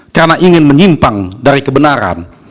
karena ingin menyimpang dari kebenaran